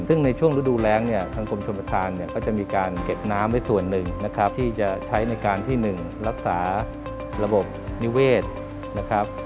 ซึ่งในช่วงฤดูแรงเนี่ยทางกรมชมประธานเนี่ยก็จะมีการเก็บน้ำไว้ส่วนหนึ่งนะครับที่จะใช้ในการที่๑รักษาระบบนิเวศนะครับ